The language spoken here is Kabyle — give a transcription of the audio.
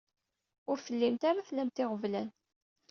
Ur tellimt ara tlamt iɣeblan.